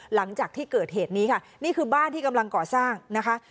หลังจากที่เกิดเหตุนี้ค่ะนี่คือบ้านที่กำลังก่อสร้างนะคะ